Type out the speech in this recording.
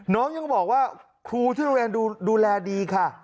น้องยังบอกว่าครูที่โรงเรียนดูแลดีค่ะ